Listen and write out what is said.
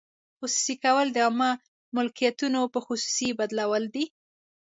خصوصي کول د عامه ملکیتونو په خصوصي بدلول دي.